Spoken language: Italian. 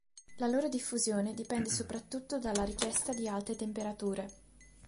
La loro diffusione dipende soprattutto dalla richiesta di alte temperature.